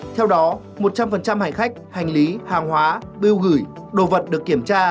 theo đó một trăm linh hành khách hành lý hàng hóa biêu gửi đồ vật được kiểm tra